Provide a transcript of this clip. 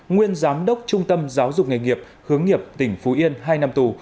nguyên giám đốc trung tâm giáo dục nghề nghiệp hướng nghiệp tỉnh phú yên hai năm tù